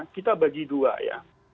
kita bagi dua ya